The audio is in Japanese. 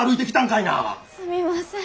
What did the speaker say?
すみません。